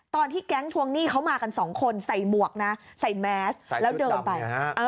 ตอนที่แก๊งทวงหนี้เขามากันสองคนใส่หมวกนะใส่แมสแล้วเดินไป